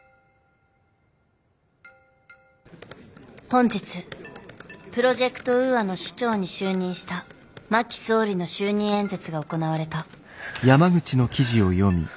本日プロジェクト・ウーアの首長に就任した真木総理の就任演説が行われた。